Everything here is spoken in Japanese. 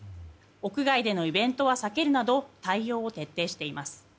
屋外でのイベントは避けるなど対応を徹底しています。